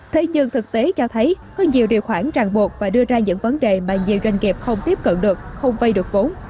thế nhưng thực tế cho thấy có nhiều điều khoản ràng buộc và đưa ra những vấn đề mà nhiều doanh nghiệp không tiếp cận được không vây được vốn